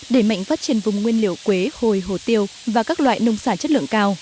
để mạnh phát triển vùng nguyên liệu quế hồi hồ tiêu và các loại nông sản chất lượng cao